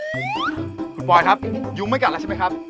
ยุงคุณปอยครับยุ้งไม่กัดแล้วใช่ไหมครับ